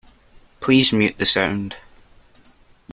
Please mute the sound.